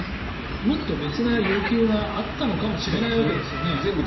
もっと別な要求があったのかもしれないわけですよね。